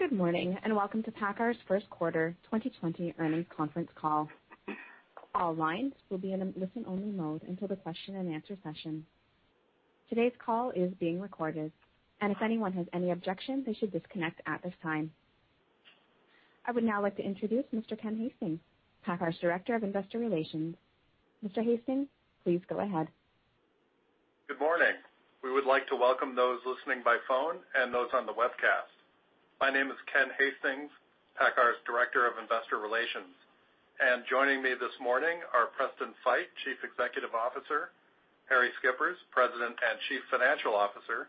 Good morning and welcome to PACCAR's First Quarter 2020 Earnings Conference Call. All lines will be in a listen-only mode until the question and answer session. Today's call is being recorded, and if anyone has any objections, they should disconnect at this time. I would now like to introduce Mr. Ken Hastings, PACCAR's Director of Investor Relations. Mr. Hastings, please go ahead. Good morning. We would like to welcome those listening by phone and those on the webcast. My name is Ken Hastings, PACCAR's Director of Investor Relations, and joining me this morning are Preston Feight, Chief Executive Officer, Harrie Schippers, President and Chief Financial Officer,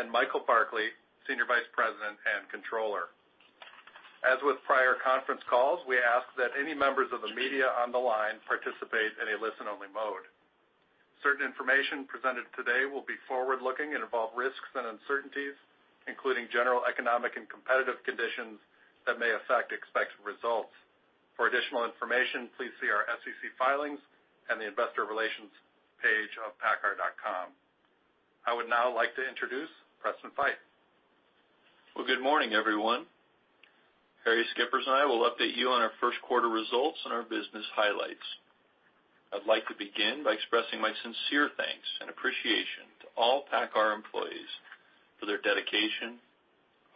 and Michael Barkley, Senior Vice President and Controller. As with prior conference calls, we ask that any members of the media on the line participate in a listen-only mode. Certain information presented today will be forward-looking and involve risks and uncertainties, including general economic and competitive conditions that may affect expected results. For additional information, please see our SEC filings and the Investor Relations page of paccar.com. I would now like to introduce Preston Feight. Well, good morning, everyone. Harrie Schippers and I will update you on our first quarter results and our business highlights. I'd like to begin by expressing my sincere thanks and appreciation to all PACCAR employees for their dedication,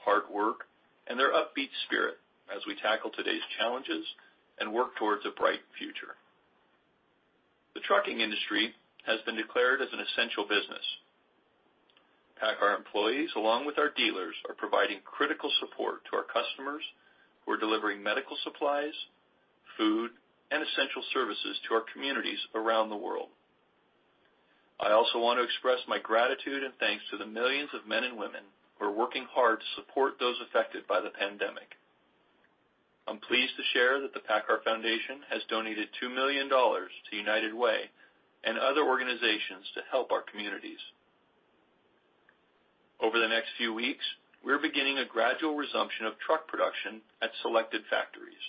hard work, and their upbeat spirit as we tackle today's challenges and work towards a bright future. The trucking industry has been declared as an essential business. PACCAR employees, along with our dealers, are providing critical support to our customers who are delivering medical supplies, food, and essential services to our communities around the world. I also want to express my gratitude and thanks to the millions of men and women who are working hard to support those affected by the pandemic. I'm pleased to share that the PACCAR Foundation has donated $2 million to United Way and other organizations to help our communities. Over the next few weeks, we're beginning a gradual resumption of truck production at selected factories.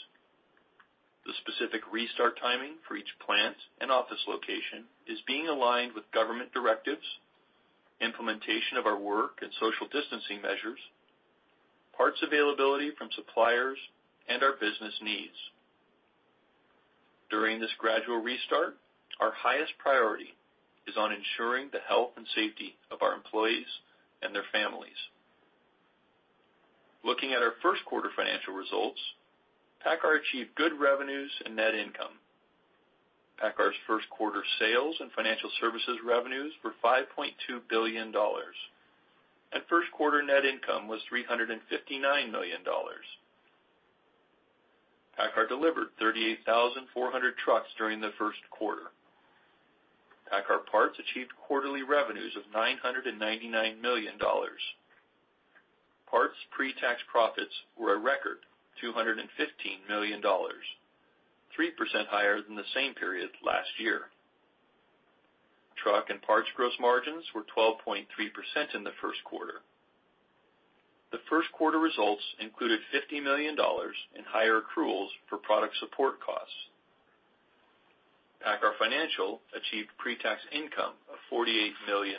The specific restart timing for each plant and office location is being aligned with government directives, implementation of our work and social distancing measures, parts availability from suppliers, and our business needs. During this gradual restart, our highest priority is on ensuring the health and safety of our employees and their families. Looking at our first quarter financial results, PACCAR achieved good revenues and net income. PACCAR's first quarter sales and financial services revenues were $5.2 billion, and first quarter net income was $359 million. PACCAR delivered 38,400 trucks during the first quarter. PACCAR Parts achieved quarterly revenues of $999 million. Parts pre-tax profits were a record $215 million, 3% higher than the same period last year. Truck and parts gross margins were 12.3% in the first quarter. The first quarter results included $50 million in higher accruals for product support costs. PACCAR Financial achieved pre-tax income of $48 million.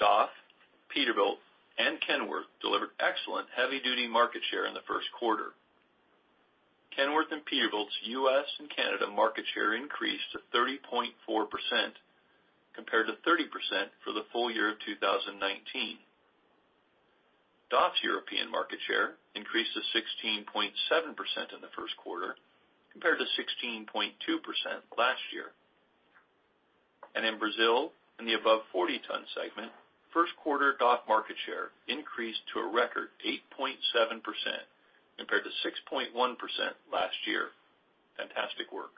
DAF, Peterbilt, and Kenworth delivered excellent heavy-duty market share in the first quarter. Kenworth and Peterbilt's U.S. and Canada market share increased to 30.4%, compared to 30% for the full year of 2019. DAF's European market share increased to 16.7% in the first quarter, compared to 16.2% last year, and in Brazil, in the above 40-ton segment, first quarter DAF market share increased to a record 8.7%, compared to 6.1% last year. Fantastic work.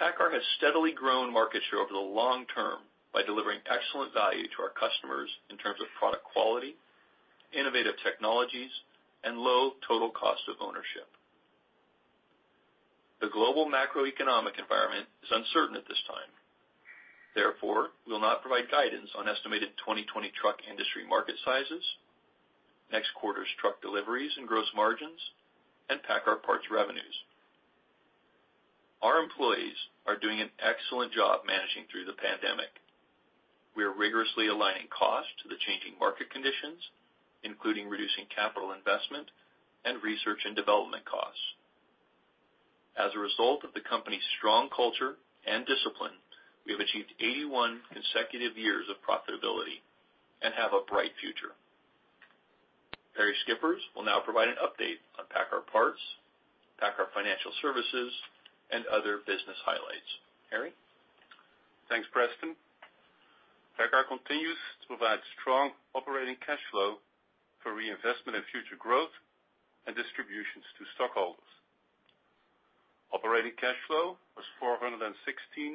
PACCAR has steadily grown market share over the long term by delivering excellent value to our customers in terms of product quality, innovative technologies, and low total cost of ownership. The global macroeconomic environment is uncertain at this time. Therefore, we will not provide guidance on estimated 2020 truck industry market sizes, next quarter's truck deliveries and gross margins, and PACCAR Parts revenues. Our employees are doing an excellent job managing through the pandemic. We are rigorously aligning costs to the changing market conditions, including reducing capital investment and research and development costs. As a result of the company's strong culture and discipline, we have achieved 81 consecutive years of profitability and have a bright future. Harrie Schippers will now provide an update on PACCAR Parts, PACCAR Financial Services, and other business highlights. Harrie? Thanks, Preston. PACCAR continues to provide strong operating cash flow for reinvestment and future growth and distributions to stockholders. Operating cash flow was $416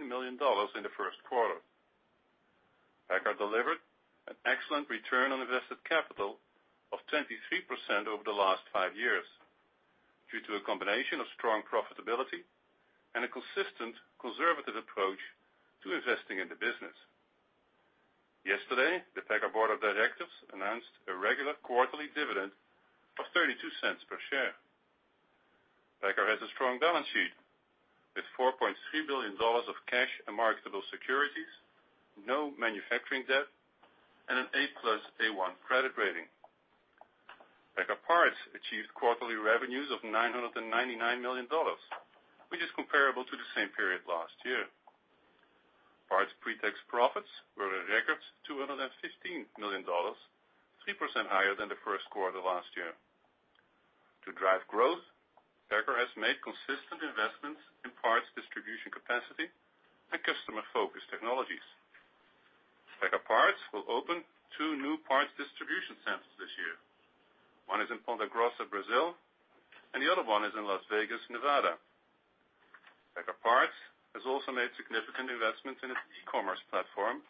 million in the first quarter. PACCAR delivered an excellent return on invested capital of 23% over the last five years due to a combination of strong profitability and a consistent conservative approach to investing in the business. Yesterday, the PACCAR Board of Directors announced a regular quarterly dividend of $0.32 per share. PACCAR has a strong balance sheet with $4.3 billion of cash and marketable securities, no manufacturing debt, and an A+/A-1 credit rating. PACCAR Parts achieved quarterly revenues of $999 million, which is comparable to the same period last year. Parts pre-tax profits were a record $215 million, 3% higher than the first quarter last year. To drive growth, PACCAR has made consistent investments in parts distribution capacity and customer-focused technologies. PACCAR Parts will open two new parts distribution centers this year. One is in Ponta Grossa, Brazil, and the other one is in Las Vegas, Nevada. PACCAR Parts has also made significant investments in its e-commerce platform,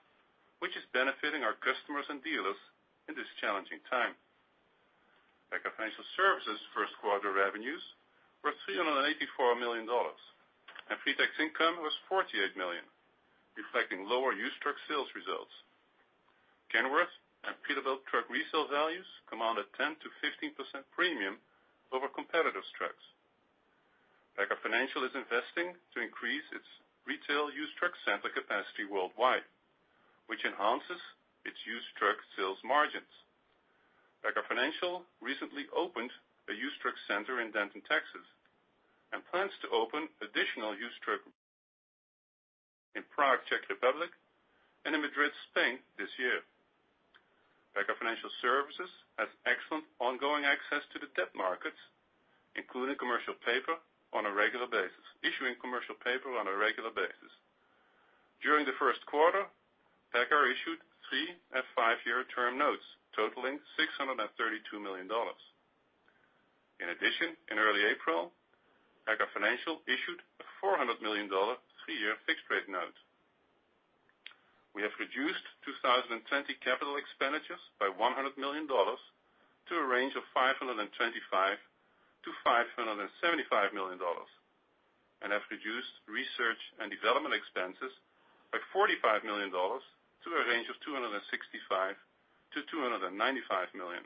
which is benefiting our customers and dealers in this challenging time. PACCAR Financial Services' first quarter revenues were $384 million, and pre-tax income was $48 million, reflecting lower used truck sales results. Kenworth and Peterbilt truck resale values command a 10%-15% premium over competitors' trucks. PACCAR Financial is investing to increase its retail used truck center capacity worldwide, which enhances its used truck sales margins. PACCAR Financial recently opened a used truck center in Denton, Texas, and plans to open additional used truck centers in Prague, Czech Republic, and in Madrid, Spain, this year. PACCAR Financial Services has excellent ongoing access to the debt markets, including commercial paper on a regular basis, issuing commercial paper on a regular basis. During the first quarter, PACCAR issued three- and five-year term notes totaling $632 million. In addition, in early April, PACCAR Financial issued a $400 million three-year fixed-rate note. We have reduced 2020 capital expenditures by $100 million to a range of $525-$575 million and have reduced research and development expenses by $45 million to a range of $265-$295 million.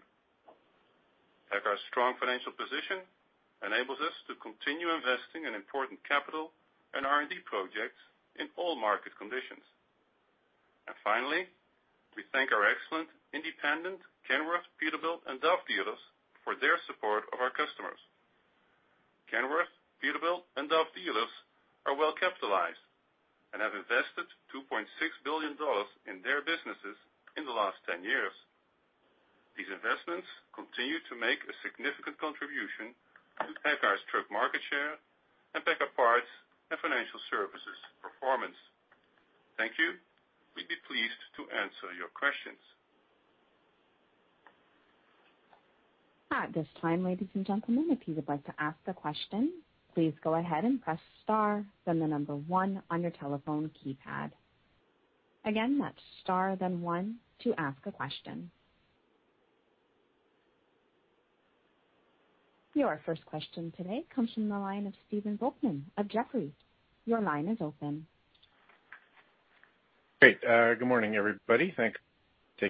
PACCAR's strong financial position enables us to continue investing in important capital and R&D projects in all market conditions. Finally, we thank our excellent independent Kenworth, Peterbilt, and DAF dealers for their support of our customers. Kenworth, Peterbilt, and DAF dealers are well-capitalized and have invested $2.6 billion in their businesses in the last 10 years. These investments continue to make a significant contribution to PACCAR's truck market share and PACCAR Parts and Financial Services performance. Thank you. We'd be pleased to answer your questions. At this time, ladies and gentlemen, if you would like to ask a question, please go ahead and press star, then the number one on your telephone keypad. Again, that's star, then one, to ask a question. Your first question today comes from the line of Stephen Volkmann of Jefferies. Your line is open. Great. Good morning, everybody. Thanks for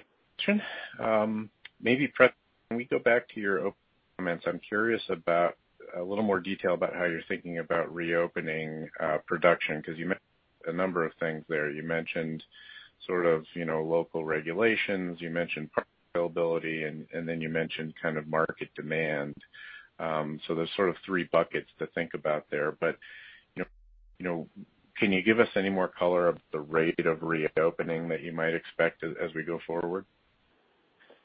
taking the call. Maybe Preston, can we go back to your opening comments? I'm curious about a little more detail about how you're thinking about reopening production because you mentioned a number of things there. You mentioned sort of local regulations, you mentioned parts availability, and then you mentioned kind of market demand. So there's sort of three buckets to think about there. But can you give us any more color of the rate of reopening that you might expect as we go forward?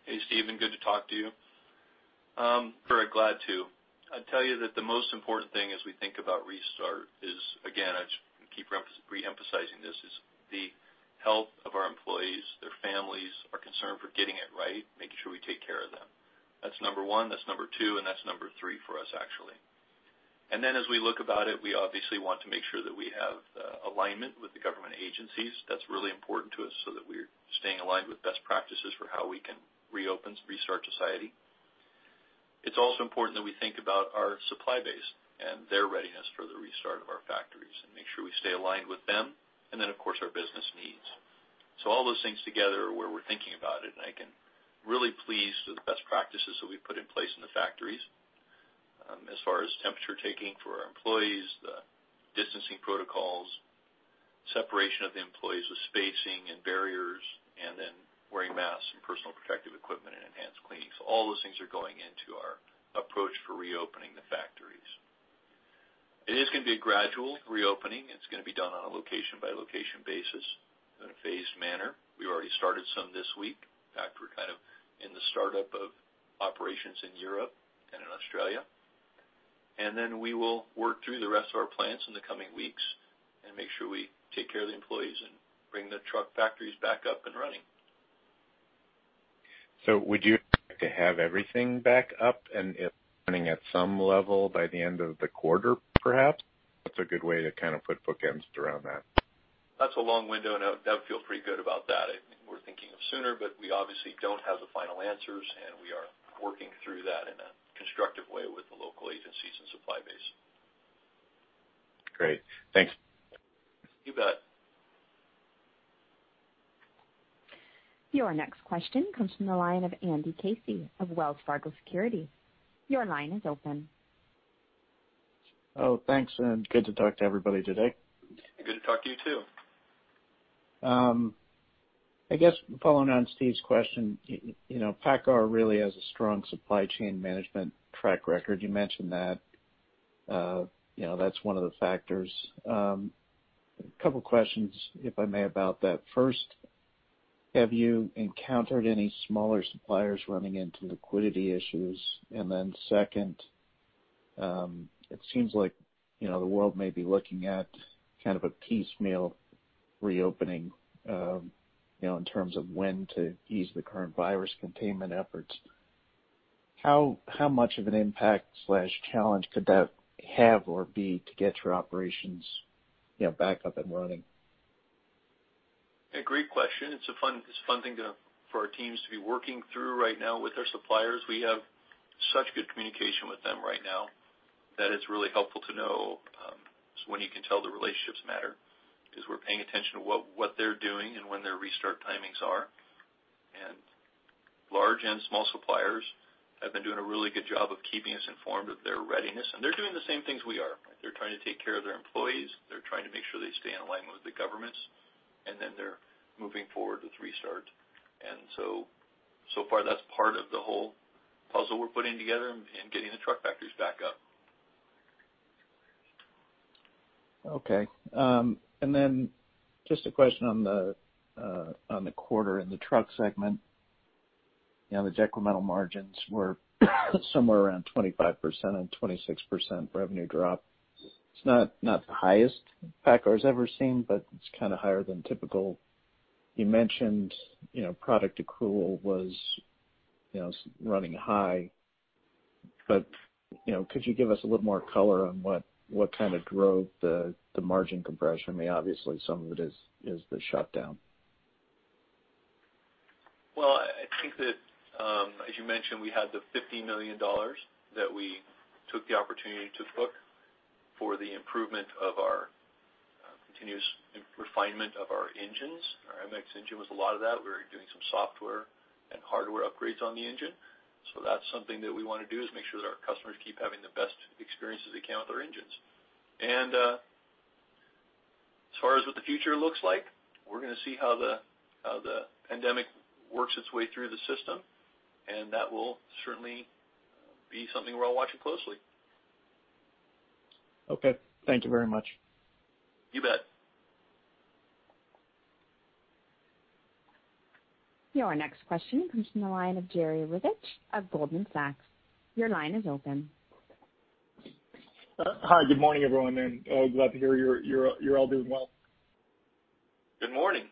Hey, Steven. Good to talk to you. I'm very glad to. I'd tell you that the most important thing as we think about restart is, again, I keep re-emphasizing this, is the health of our employees, their families, our concern for getting it right, making sure we take care of them. That's number one. That's number two, and that's number three for us, actually. And then as we look about it, we obviously want to make sure that we have alignment with the government agencies. That's really important to us so that we're staying aligned with best practices for how we can reopen, restart society. It's also important that we think about our supply base and their readiness for the restart of our factories and make sure we stay aligned with them and then, of course, our business needs. So all those things together are where we're thinking about it, and I'm really pleased with the best practices that we've put in place in the factories as far as temperature taking for our employees, the distancing protocols, separation of the employees with spacing and barriers, and then wearing masks and personal protective equipment and enhanced cleaning. So all those things are going into our approach for reopening the factories. It is going to be a gradual reopening. It's going to be done on a location-by-location basis, in a phased manner. We've already started some this week. In fact, we're kind of in the startup of operations in Europe and in Australia. And then we will work through the rest of our plans in the coming weeks and make sure we take care of the employees and bring the truck factories back up and running. So would you like to have everything back up and running at some level by the end of the quarter, perhaps? What's a good way to kind of put bookends around that? That's a long window, and I would feel pretty good about that. I think we're thinking of sooner, but we obviously don't have the final answers, and we are working through that in a constructive way with the local agencies and supply base. Great. Thanks. You bet. Your next question comes from the line of Andy Casey of Wells Fargo Securities. Your line is open. Oh, thanks, and good to talk to everybody today. Good to talk to you too. I guess following on Steve's question, PACCAR really has a strong supply chain management track record. You mentioned that. That's one of the factors. A couple of questions, if I may, about that. First, have you encountered any smaller suppliers running into liquidity issues? And then second, it seems like the world may be looking at kind of a piecemeal reopening in terms of when to ease the current virus containment efforts. How much of an impact or challenge could that have or be to get your operations back up and running? A great question. It's a fun thing for our teams to be working through right now with our suppliers. We have such good communication with them right now that it's really helpful to know when you can tell the relationships matter because we're paying attention to what they're doing and when their restart timings are, and large and small suppliers have been doing a really good job of keeping us informed of their readiness, and they're doing the same things we are. They're trying to take care of their employees. They're trying to make sure they stay in alignment with the governments, and then they're moving forward with restart, and so far, that's part of the whole puzzle we're putting together in getting the truck factories back up. Okay. And then just a question on the quarter in the truck segment. The incremental margins were somewhere around 25% and 26% revenue drop. It's not the highest PACCAR has ever seen, but it's kind of higher than typical. You mentioned product accrual was running high, but could you give us a little more color on what kind of drove the margin compression? I mean, obviously, some of it is the shutdown. I think that, as you mentioned, we had the $15 million that we took the opportunity to book for the improvement of our continuous refinement of our engines. Our MX engine was a lot of that. We were doing some software and hardware upgrades on the engine. That's something that we want to do is make sure that our customers keep having the best experiences they can with our engines. As far as what the future looks like, we're going to see how the pandemic works its way through the system, and that will certainly be something we're all watching closely. Okay. Thank you very much. You bet. Your next question comes from the line of Jerry Revich of Goldman Sachs. Your line is open. Hi. Good morning, everyone, and glad to hear you're all doing well. Good morning.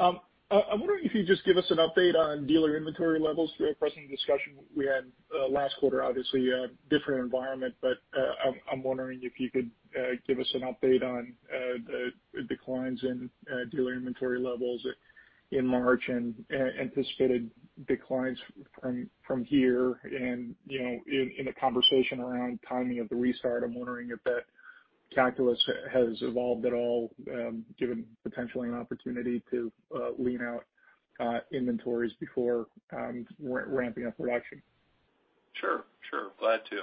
I'm wondering if you'd just give us an update on dealer inventory levels through a pressing discussion we had last quarter. Obviously, a different environment, but I'm wondering if you could give us an update on the declines in dealer inventory levels in March and anticipated declines from here, and in the conversation around timing of the restart, I'm wondering if that calculus has evolved at all, given potentially an opportunity to lean out inventories before ramping up production. Sure. Sure. Glad to.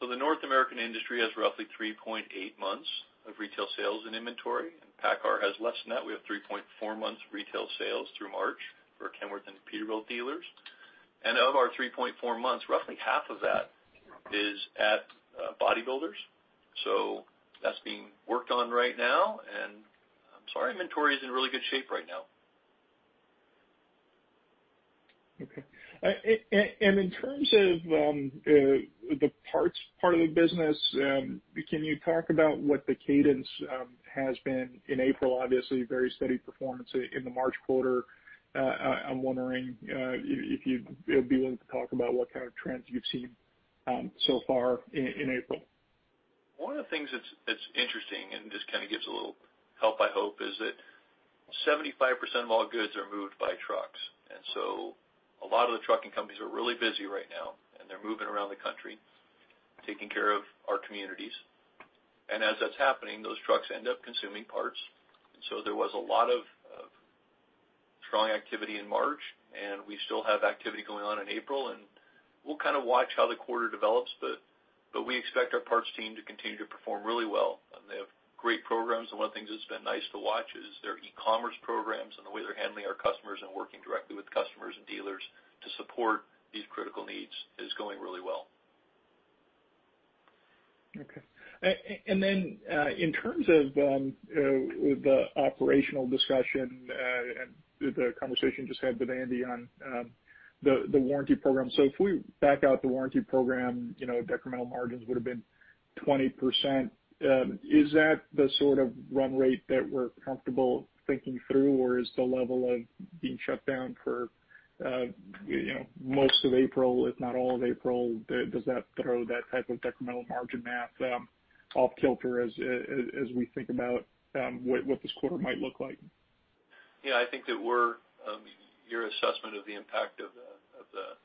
So the North American industry has roughly 3.8 months of retail sales and inventory, and PACCAR has less than that. We have 3.4 months of retail sales through March for Kenworth and Peterbilt dealers. And of our 3.4 months, roughly half of that is at bodybuilders. So that's being worked on right now. And I'm sorry, inventory is in really good shape right now. Okay. And in terms of the parts part of the business, can you talk about what the cadence has been? In April, obviously, very steady performance in the March quarter. I'm wondering if you'd be willing to talk about what kind of trends you've seen so far in April. One of the things that's interesting and just kind of gives a little help, I hope, is that 75% of all goods are moved by trucks. And so a lot of the trucking companies are really busy right now, and they're moving around the country, taking care of our communities. And as that's happening, those trucks end up consuming parts. And so there was a lot of strong activity in March, and we still have activity going on in April. And we'll kind of watch how the quarter develops, but we expect our parts team to continue to perform really well. And they have great programs. And one of the things that's been nice to watch is their e-commerce programs and the way they're handling our customers and working directly with customers and dealers to support these critical needs is going really well. Okay. And then in terms of the operational discussion and the conversation you just had with Andy on the warranty program, so if we back out the warranty program, decremental margins would have been 20%. Is that the sort of run rate that we're comfortable thinking through, or is the level of being shut down for most of April, if not all of April, does that throw that type of decremental margin math off kilter as we think about what this quarter might look like? Yeah. I think that your assessment of the impact of the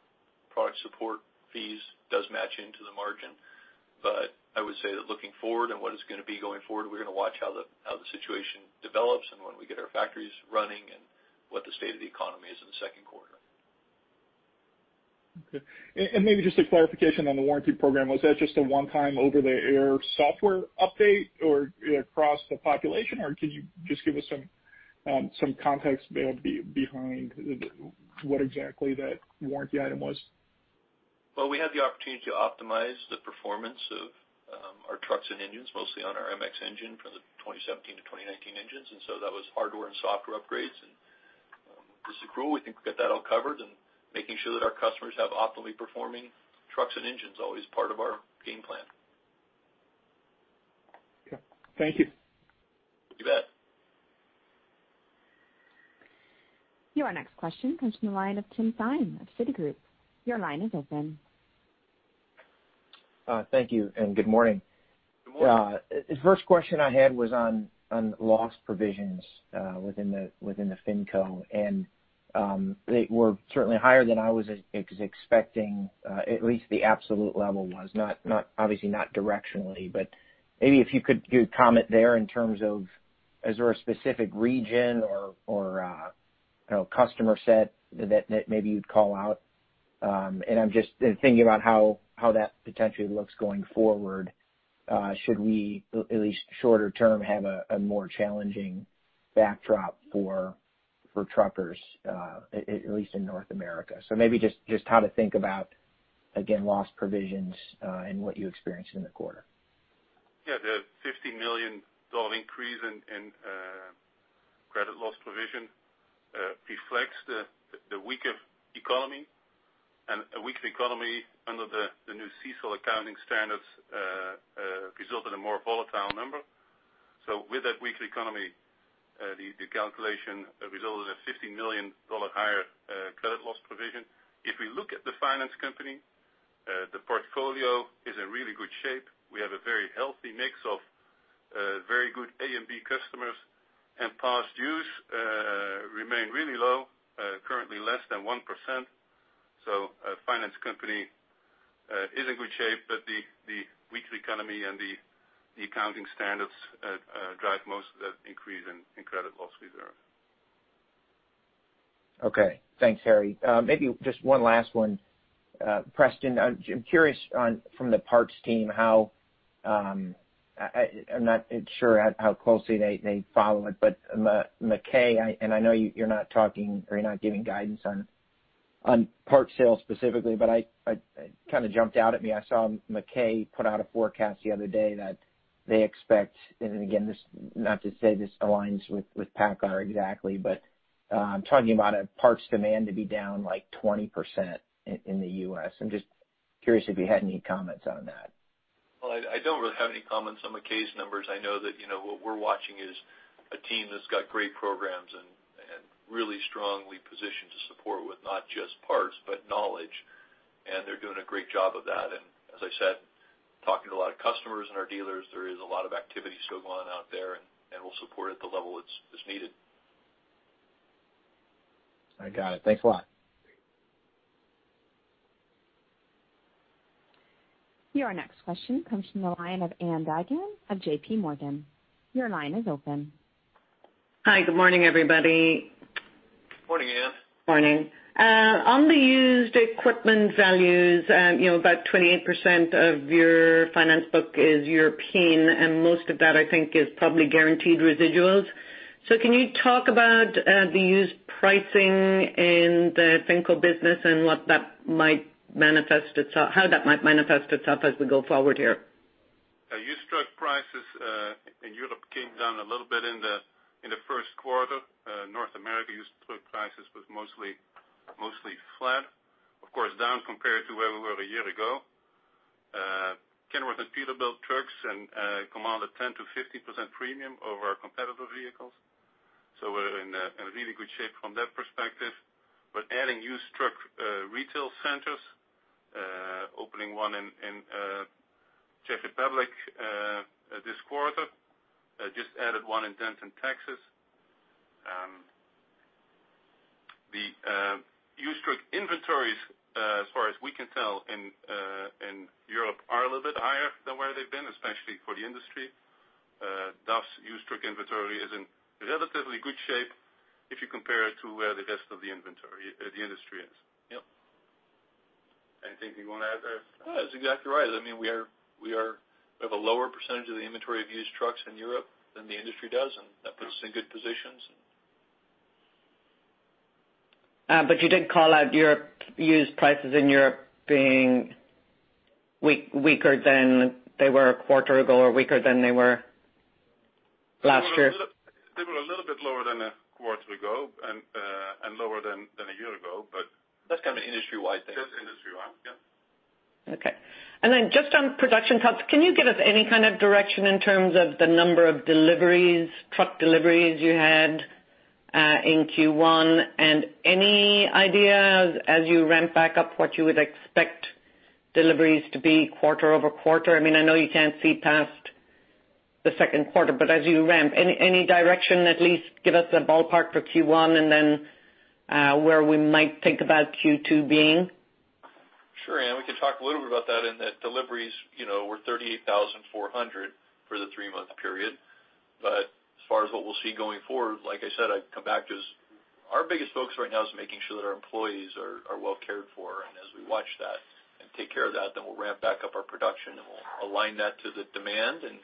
product support fees does match into the margin. But I would say that looking forward and what is going to be going forward, we're going to watch how the situation develops, and when we get our factories running, and what the state of the economy is in the second quarter. Okay. And maybe just a clarification on the warranty program. Was that just a one-time over-the-air software update or across the population? Or can you just give us some context behind what exactly that warranty item was? We had the opportunity to optimize the performance of our trucks and engines, mostly on our MX engine for the 2017-2019 engines, and so that was hardware and software upgrades, and this accrual, we think we got that all covered, and making sure that our customers have optimally performing trucks and engines is always part of our game plan. Okay. Thank you. You bet. Your next question comes from the line of Tim Thein of Citigroup. Your line is open. Thank you. And good morning. Good morning. Yeah. The first question I had was on loss provisions within the FinCo. And they were certainly higher than I was expecting, at least the absolute level was, obviously not directionally. But maybe if you could comment there in terms of, is there a specific region or customer set that maybe you'd call out? And I'm just thinking about how that potentially looks going forward. Should we, at least shorter term, have a more challenging backdrop for truckers, at least in North America? So maybe just how to think about, again, loss provisions and what you experienced in the quarter. Yeah. The $50 million increase in credit loss provision reflects the weaker economy, and a weaker economy under the new CECL accounting standards resulted in a more volatile number, so with that weaker economy, the calculation resulted in a $50 million higher credit loss provision. If we look at the finance company, the portfolio is in really good shape. We have a very healthy mix of very good A and B customers, and past dues remain really low, currently less than 1%, so finance company is in good shape, but the weaker economy and the accounting standards drive most of that increase in credit loss reserve. Okay. Thanks, Harrie. Maybe just one last one, Preston. I'm curious from the parts team how, I'm not sure how closely they follow it, but MacKay, and I know you're not talking or you're not giving guidance on part sales specifically, but it kind of jumped out at me. I saw MacKay put out a forecast the other day that they expect, and again, not to say this aligns with PACCAR exactly, but I'm talking about a parts demand to be down like 20% in the U.S. I'm just curious if you had any comments on that. Well, I don't really have any comments on MacKay's numbers. I know that what we're watching is a team that's got great programs and really strongly positioned to support with not just parts, but knowledge. And they're doing a great job of that. And as I said, talking to a lot of customers and our dealers, there is a lot of activity still going on out there, and we'll support it at the level that's needed. I got it. Thanks a lot. Your next question comes from the line of Ann Duignan of JPMorgan. Your line is open. Hi. Good morning, everybody. Morning, Ann. Morning. On the used equipment values, about 28% of your finance book is European, and most of that, I think, is probably guaranteed residuals. So can you talk about the used pricing in the FinCo business and how that might manifest itself as we go forward here? Used truck prices in Europe came down a little bit in the first quarter. North America used truck prices was mostly flat, of course, down compared to where we were a year ago. Kenworth and Peterbilt trucks can command a 10%-15% premium over our competitor vehicles. So we're in really good shape from that perspective. But adding used truck retail centers, opening one in Czech Republic this quarter, just added one in Denton, Texas. The used truck inventories, as far as we can tell, in Europe are a little bit higher than where they've been, especially for the industry. DAF's used truck inventory is in relatively good shape if you compare it to where the rest of the industry is. Yep. Anything you want to add there? That's exactly right. I mean, we have a lower percentage of the inventory of used trucks in Europe than the industry does, and that puts us in good positions. But you did call out used prices in Europe being weaker than they were a quarter ago or weaker than they were last year? They were a little bit lower than a quarter ago and lower than a year ago, but. That's kind of an industry-wide thing. That's industry-wide, yeah. Okay. And then just on production cuts, can you give us any kind of direction in terms of the number of truck deliveries you had in Q1 and any idea as you ramp back up what you would expect deliveries to be quarter-over-quarter? I mean, I know you can't see past the second quarter, but as you ramp, any direction, at least give us a ballpark for Q1 and then where we might think about Q2 being? Sure. And we can talk a little bit about that in that deliveries were 38,400 for the three-month period. But as far as what we'll see going forward, like I said, I'd come back to our biggest focus right now is making sure that our employees are well cared for. And as we watch that and take care of that, then we'll ramp back up our production and we'll align that to the demand, and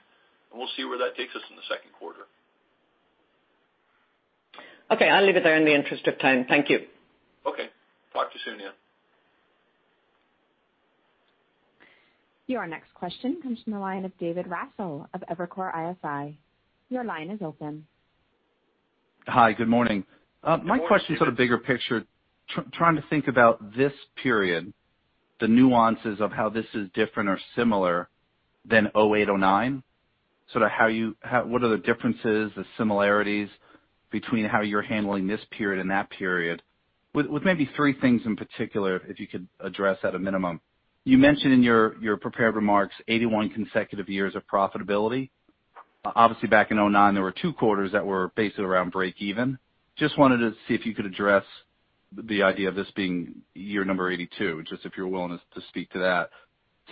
we'll see where that takes us in the second quarter. Okay. I'll leave it there in the interest of time. Thank you. Okay. Talk to you soon, Ann. Your next question comes from the line of David Raso of Evercore ISI. Your line is open. Hi. Good morning. My question is sort of bigger picture. Trying to think about this period, the nuances of how this is different or similar than 2008, 2009, sort of what are the differences, the similarities between how you're handling this period and that period with maybe three things in particular, if you could address at a minimum. You mentioned in your prepared remarks 81 consecutive years of profitability. Obviously, back in 2009, there were two quarters that were basically around break-even. Just wanted to see if you could address the idea of this being year number 82, just if you're willing to speak to that.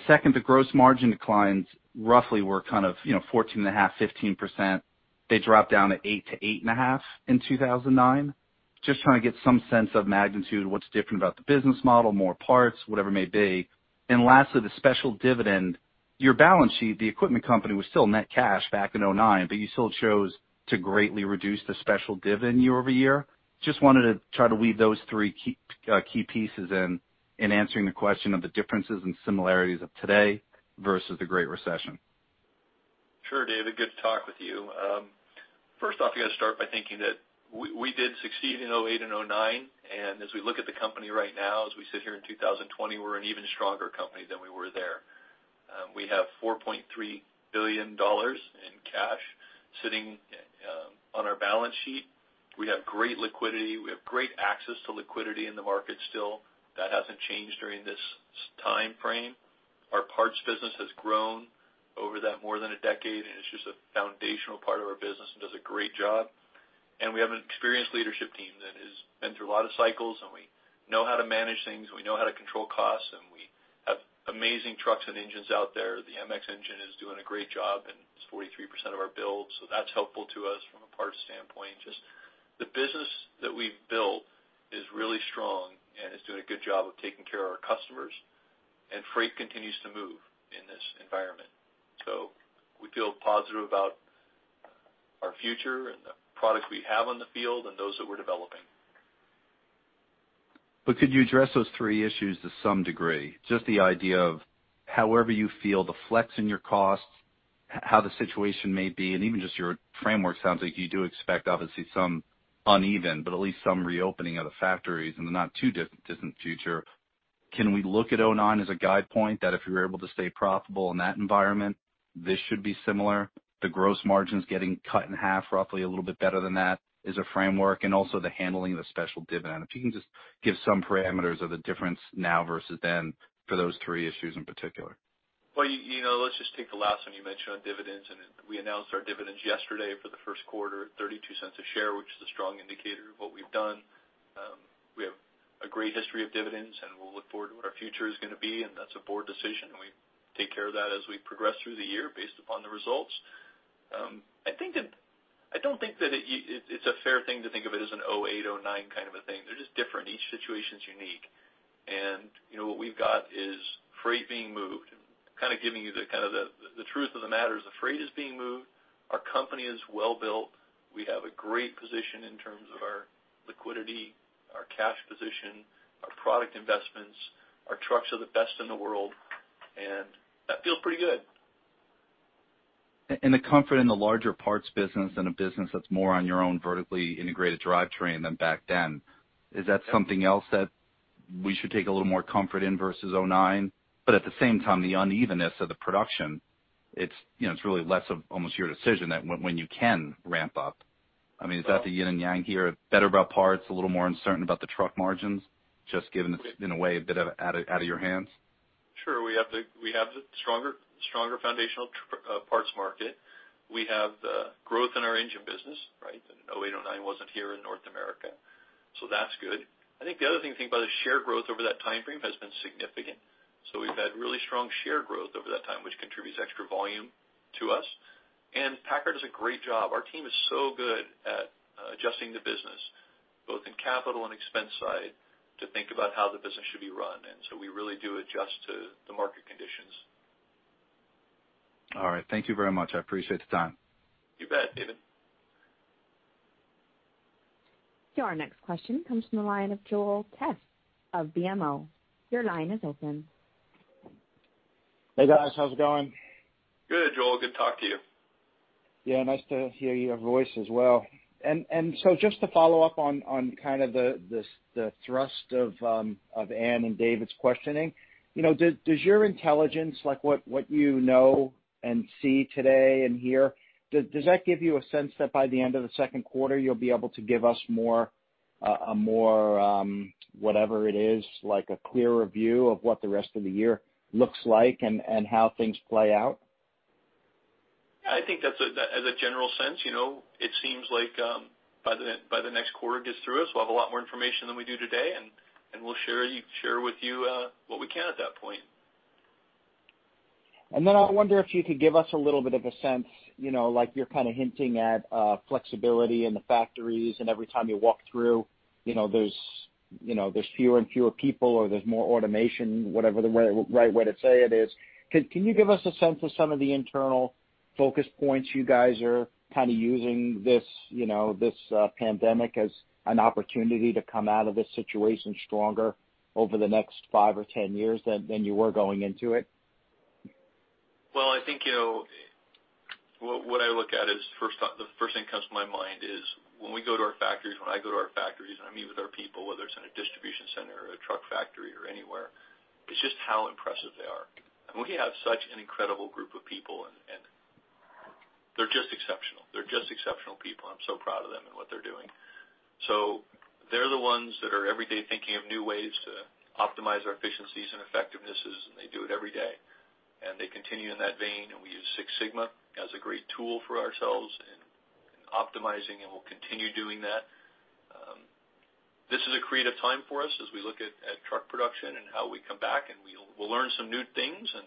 Second, the gross margin declines roughly were kind of 14.5%-15%. They dropped down to 8%-8.5% in 2009. Just trying to get some sense of magnitude, what's different about the business model, more parts, whatever it may be. And lastly, the special dividend. Your balance sheet, the equipment company was still net cash back in 2009, but you still chose to greatly reduce the special dividend year over year. Just wanted to try to weave those three key pieces in answering the question of the differences and similarities of today versus the Great Recession. Sure, David. Good to talk with you. First off, you got to start by thinking that we did succeed in 2008 and 2009, and as we look at the company right now, as we sit here in 2020, we're an even stronger company than we were there. We have $4.3 billion in cash sitting on our balance sheet. We have great liquidity. We have great access to liquidity in the market still. That hasn't changed during this timeframe. Our parts business has grown over that more than a decade, and it's just a foundational part of our business and does a great job, and we have an experienced leadership team that has been through a lot of cycles, and we know how to manage things. We know how to control costs, and we have amazing trucks and engines out there. The MX engine is doing a great job, and it's 43% of our build. So that's helpful to us from a parts standpoint. Just the business that we've built is really strong and is doing a good job of taking care of our customers. And freight continues to move in this environment. So we feel positive about our future and the products we have on the field and those that we're developing. But could you address those three issues to some degree? Just the idea of however you feel the flex in your costs, how the situation may be, and even just your framework sounds like you do expect, obviously, some uneven, but at least some reopening of the factories in the not too distant future. Can we look at 2009 as a guide point that if you're able to stay profitable in that environment, this should be similar? The gross margins getting cut in half roughly a little bit better than that is a framework, and also the handling of the special dividend. If you can just give some parameters of the difference now versus then for those three issues in particular. Well, let's just take the last one you mentioned on dividends. And we announced our dividends yesterday for the first quarter, at $0.32 a share, which is a strong indicator of what we've done. We have a great history of dividends, and we'll look forward to what our future is going to be. And that's a board decision, and we take care of that as we progress through the year based upon the results. I don't think that it's a fair thing to think of it as an 2008, 2009 kind of a thing. They're just different. Each situation is unique. And what we've got is freight being moved. Kind of giving you the kind of truth of the matter is the freight is being moved. Our company is well built. We have a great position in terms of our liquidity, our cash position, our product investments. Our trucks are the best in the world, and that feels pretty good. And the comfort in the larger parts business and a business that's more on your own vertically integrated drivetrain than back then, is that something else that we should take a little more comfort in versus 2009? But at the same time, the unevenness of the production. It's really less of almost your decision that when you can ramp up. I mean, is that the yin and yang here? Better about parts, a little more uncertain about the truck margins, just given, in a way, a bit of out of your hands? Sure. We have the stronger foundational parts market. We have the growth in our engine business, right? And 2008, 2009 wasn't here in North America. So that's good. I think the other thing to think about is share growth over that timeframe has been significant. So we've had really strong share growth over that time, which contributes extra volume to us. And PACCAR does a great job. Our team is so good at adjusting the business, both in capital and expense side, to think about how the business should be run. And so we really do adjust to the market conditions. All right. Thank you very much. I appreciate the time. You bet, David. Your next question comes from the line of Joel Tiss of BMO. Your line is open. Hey, guys. How's it going? Good, Joel. Good to talk to you. Yeah. Nice to hear your voice as well. And so just to follow up on kind of the thrust of Ann and David's questioning, does your intelligence, like what you know and see today and here, does that give you a sense that by the end of the second quarter, you'll be able to give us a more, whatever it is, like a clearer view of what the rest of the year looks like and how things play out? Yeah. I think that's a general sense. It seems like by the next quarter it gets through us, we'll have a lot more information than we do today, and we'll share with you what we can at that point. And then I wonder if you could give us a little bit of a sense, like you're kind of hinting at flexibility in the factories and every time you walk through, there's fewer and fewer people or there's more automation, whatever the right way to say it is. Can you give us a sense of some of the internal focus points you guys are kind of using this pandemic as an opportunity to come out of this situation stronger over the next five or 10 years than you were going into it? Well, I think what I look at is the first thing that comes to my mind is when we go to our factories, when I go to our factories and I meet with our people, whether it's in a distribution center or a truck factory or anywhere, it's just how impressive they are. And we have such an incredible group of people, and they're just exceptional. They're just exceptional people. I'm so proud of them and what they're doing. So they're the ones that are every day thinking of new ways to optimize our efficiencies and effectivenesses, and they do it every day. And they continue in that vein, and we use Six Sigma as a great tool for ourselves in optimizing, and we'll continue doing that. This is a creative time for us as we look at truck production and how we come back, and we'll learn some new things, and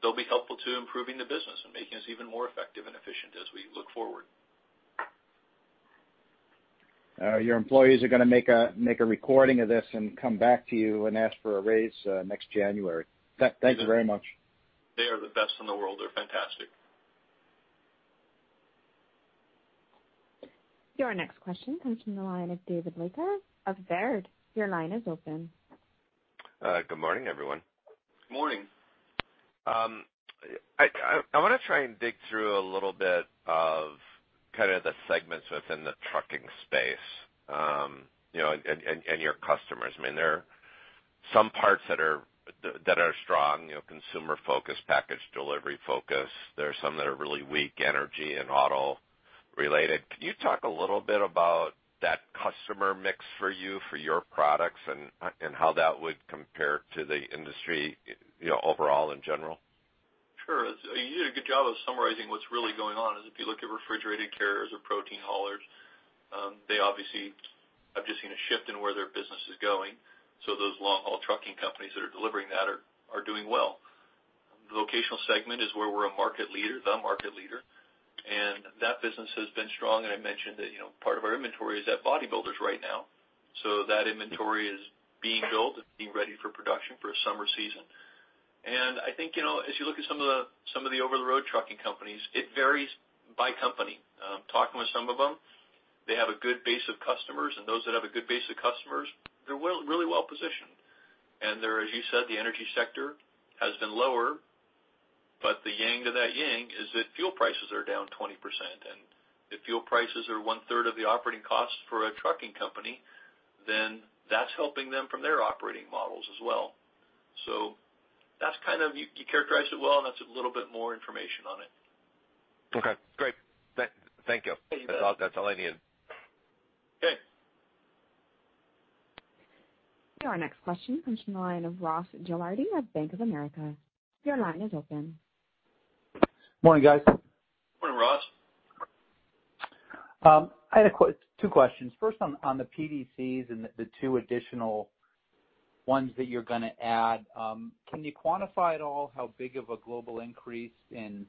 they'll be helpful to improving the business and making us even more effective and efficient as we look forward. Your employees are going to make a recording of this and come back to you and ask for a raise next January. Thank you very much. They are the best in the world. They're fantastic. Your next question comes from the line of David Leiker of Baird. Your line is open. Good morning, everyone. Good morning. I want to try and dig through a little bit of kind of the segments within the trucking space and your customers. I mean, there are some parts that are strong, consumer-focused, package delivery-focused. There are some that are really weak, energy and auto-related. Can you talk a little bit about that customer mix for you, for your products, and how that would compare to the industry overall in general? Sure. You did a good job of summarizing what's really going on. If you look at refrigerated carriers or protein haulers, they obviously have just seen a shift in where their business is going, so those long-haul trucking companies that are delivering that are doing well. The vocational segment is where we're a market leader, the market leader, and that business has been strong, and I mentioned that part of our inventory is at bodybuilders right now, so that inventory is being built and being ready for production for a summer season, and I think as you look at some of the over-the-road trucking companies, it varies by company, talking with some of them, they have a good base of customers, and those that have a good base of customers, they're really well positioned. And there, as you said, the energy sector has been lower, but the yin to that yang is that fuel prices are down 20%. And if fuel prices are one-third of the operating costs for a trucking company, then that's helping them from their operating models as well. So that's kind of you characterized it well, and that's a little bit more information on it. Okay. Great. Thank you. That's all I needed. Okay. Your next question comes from the line of Ross Gilardi of Bank of America. Your line is open. Morning, guys. Morning, Ross. I had two questions. First, on the PDCs and the two additional ones that you're going to add, can you quantify at all how big of a global increase in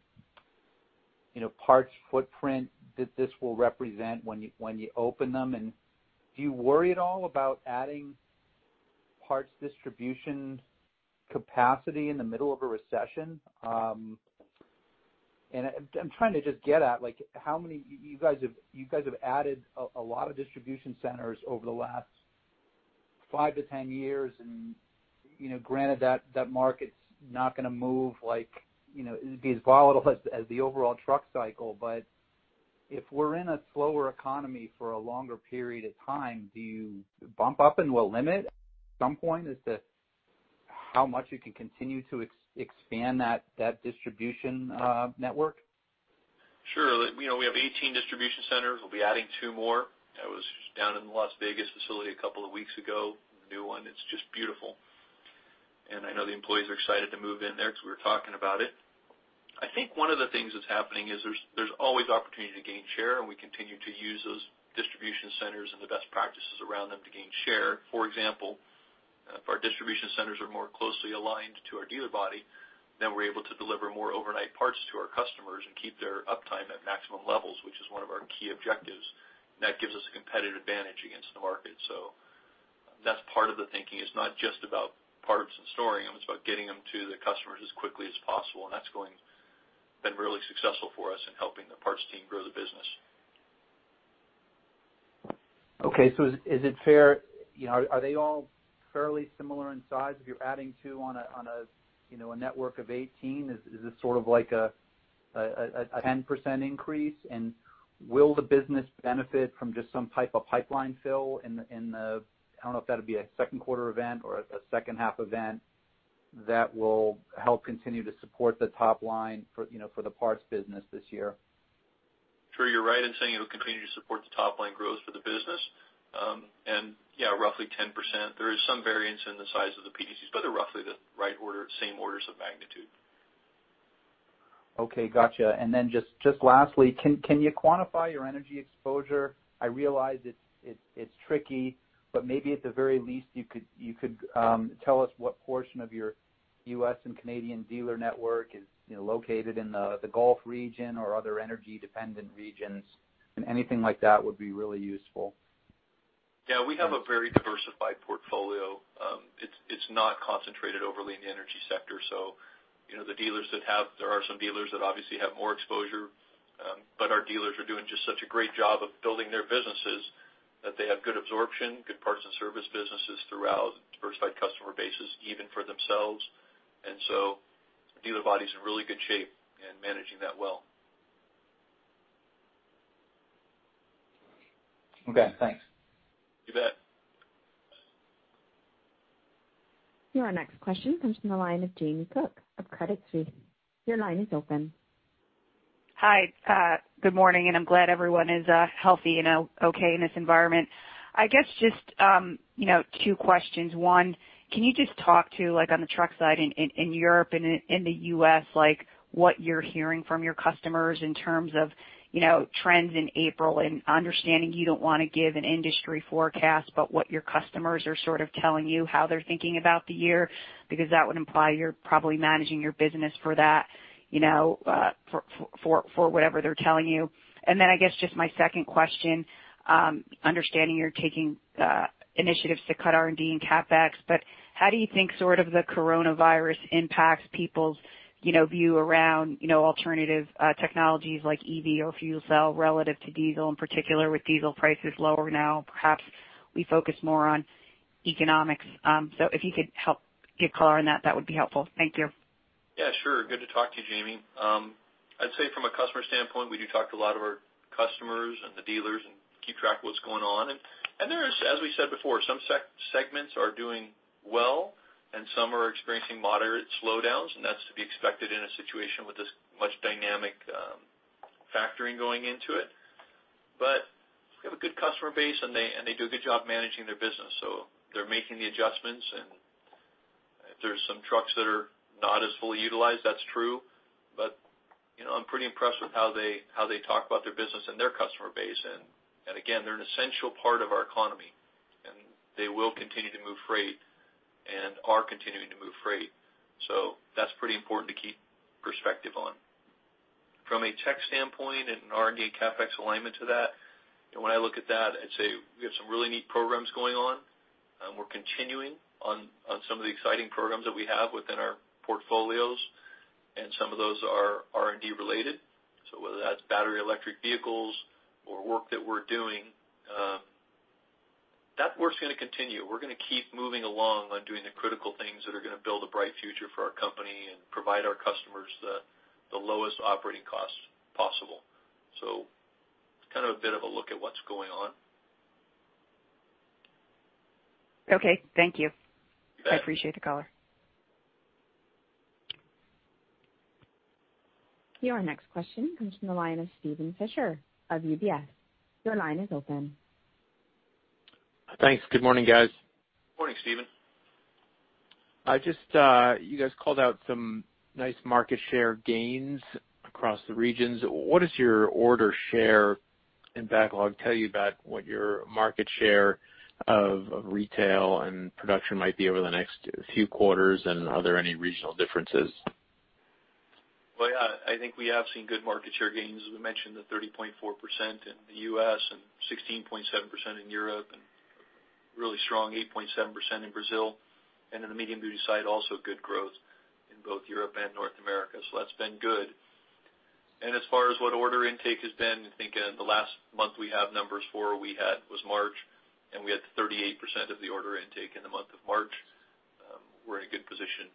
parts footprint that this will represent when you open them? And do you worry at all about adding parts distribution capacity in the middle of a recession? And I'm trying to just get at how many you guys have added a lot of distribution centers over the last five to 10 years. And granted, that market's not going to move like it'd be as volatile as the overall truck cycle. But if we're in a slower economy for a longer period of time, do you bump up and we'll limit at some point as to how much you can continue to expand that distribution network? Sure. We have 18 distribution centers. We'll be adding two more. I was down in the Las Vegas facility a couple of weeks ago. The new one, it's just beautiful, and I know the employees are excited to move in there because we were talking about it. I think one of the things that's happening is there's always opportunity to gain share, and we continue to use those distribution centers and the best practices around them to gain share. For example, if our distribution centers are more closely aligned to our dealer body, then we're able to deliver more overnight parts to our customers and keep their uptime at maximum levels, which is one of our key objectives, and that gives us a competitive advantage against the market, so that's part of the thinking. It's not just about parts and storing them. It's about getting them to the customers as quickly as possible. And that's been really successful for us in helping the parts team grow the business. Okay. So is it fair? Are they all fairly similar in size? If you're adding two on a network of 18, is this sort of like a 10% increase? And will the business benefit from just some type of pipeline fill in the I don't know if that would be a second quarter event or a second-half event that will help continue to support the top line for the parts business this year? Sure. You're right in saying it'll continue to support the top line growth for the business, and yeah, roughly 10%. There is some variance in the size of the PDCs, but they're roughly the same orders of magnitude. Okay. Gotcha. And then just lastly, can you quantify your energy exposure? I realize it's tricky, but maybe at the very least, you could tell us what portion of your U.S. and Canadian dealer network is located in the Gulf region or other energy-dependent regions. And anything like that would be really useful. Yeah. We have a very diversified portfolio. It's not concentrated overly in the energy sector. So the dealers that have there are some dealers that obviously have more exposure, but our dealers are doing just such a great job of building their businesses that they have good absorption, good parts and service businesses throughout, diversified customer bases, even for themselves, and so dealer body is in really good shape and managing that well. Okay. Thanks. You bet. Your next question comes from the line of Jamie Cook of Credit Suisse. Your line is open. Hi. Good morning. And I'm glad everyone is healthy and okay in this environment. I guess just two questions. One, can you just talk to, on the truck side in Europe and in the U.S., what you're hearing from your customers in terms of trends in April and understanding you don't want to give an industry forecast, but what your customers are sort of telling you how they're thinking about the year because that would imply you're probably managing your business for that for whatever they're telling you. And then I guess just my second question, understanding you're taking initiatives to cut R&D and CapEx, but how do you think sort of the coronavirus impacts people's view around alternative technologies like EV or fuel cell relative to diesel, in particular with diesel prices lower now? Perhaps we focus more on economics. So if you could help get color on that, that would be helpful. Thank you. Yeah. Sure. Good to talk to you, Jamie. I'd say from a customer standpoint, we do talk to a lot of our customers and the dealers and keep track of what's going on. And there is, as we said before, some segments are doing well and some are experiencing moderate slowdowns, and that's to be expected in a situation with this much dynamic factoring going into it. But we have a good customer base, and they do a good job managing their business. So they're making the adjustments. And if there's some trucks that are not as fully utilized, that's true. But I'm pretty impressed with how they talk about their business and their customer base. And again, they're an essential part of our economy, and they will continue to move freight and are continuing to move freight. So that's pretty important to keep perspective on. From a tech standpoint and an R&D and CapEx alignment to that, when I look at that, I'd say we have some really neat programs going on. We're continuing on some of the exciting programs that we have within our portfolios, and some of those are R&D-related. So whether that's battery electric vehicles or work that we're doing, that work's going to continue. We're going to keep moving along on doing the critical things that are going to build a bright future for our company and provide our customers the lowest operating costs possible. So it's kind of a bit of a look at what's going on. Okay. Thank you. You bet. I appreciate the color. Your next question comes from the line of Steven Fisher of UBS. Your line is open. Thanks. Good morning, guys. Morning, Steven. You guys called out some nice market share gains across the regions. What does your order share in backlog tell you about what your market share of retail and production might be over the next few quarters, and are there any regional differences? Well, yeah. I think we have seen good market share gains. We mentioned the 30.4% in the U.S. and 16.7% in Europe and really strong 8.7% in Brazil. And in the medium-duty side, also good growth in both Europe and North America. So that's been good. And as far as what order intake has been, I think in the last month we have numbers for was March, and we had 38% of the order intake in the month of March. We're in a good position.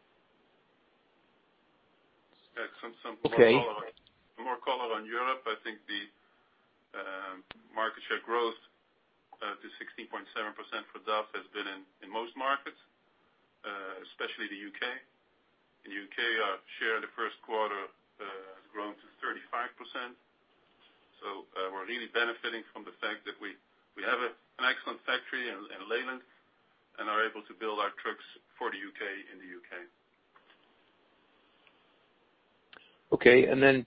Some more color on Europe. I think the market share growth to 16.7% for DAF has been in most markets, especially the U.K. In the U.K., our share in the first quarter has grown to 35%. So we're really benefiting from the fact that we have an excellent factory in Leyland and are able to build our trucks for the U.K. in the U.K. Okay, and then